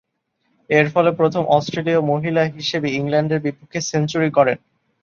এরফলে প্রথম অস্ট্রেলীয় মহিলা হিসেবে ইংল্যান্ডের বিপক্ষে সেঞ্চুরি করেন।